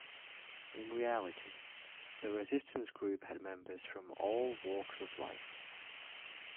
In reality, the resistance group had members from all walks of life.